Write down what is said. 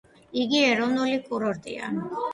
იგი ეროვნული კურორტია.